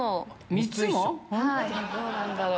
３つも⁉どうなんだろう？